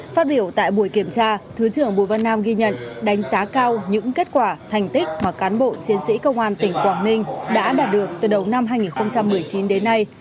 phát biểu tại buổi kiểm tra thứ trưởng bùi văn nam ghi nhận đánh giá cao những kết quả thành tích mà cán bộ chiến sĩ công an tỉnh quảng ninh đã đạt được từ đầu năm hai nghìn một mươi chín đến nay